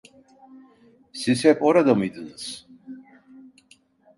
Siz hep orada mıydınız?